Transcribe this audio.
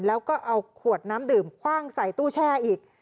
แล้วก็เอาขวดน้ำดื่มคว่างใส่ตู้แช่อีก